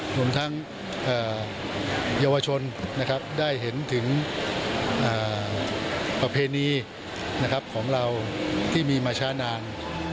รวมทั้งเยาวชนได้เห็นถึงประเพณีของเราที่มีมาช้านาน